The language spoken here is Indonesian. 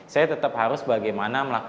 saya tetap harus bagaimana melakukan hal yang baik